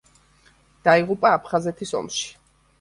დაიღუპა აფხაზეთის ომში.